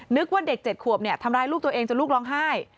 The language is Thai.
นึกว่าเด็ก๗ขวบทำร้ายลูกตัวเองจนลูกร้องไห้